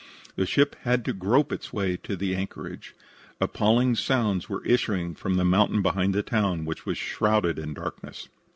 The ship had to grope its way to the anchorage. Appalling sounds were issuing from the mountain behind the town, which was shrouded in darkness.